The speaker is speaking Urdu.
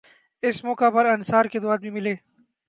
اس موقع پر انصار کے دو آدمی ملے